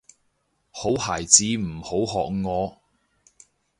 好孩子唔好學我